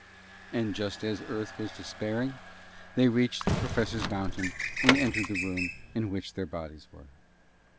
And just as Earth was despairing they reached the Professor's mountain and entered the room in which their bodies were.